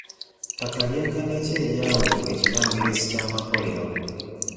Ttaka lyenkana ki eryaweebwa ekibangirizi ky'amakolero.